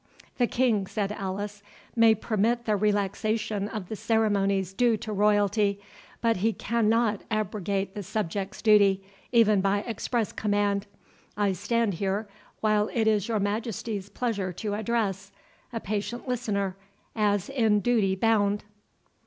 "The King," said Alice, "may permit the relaxation of the ceremonies due to royalty, but he cannot abrogate the subject's duty, even by express command. I stand here while it is your Majesty's pleasure to address—a patient listener, as in duty bound."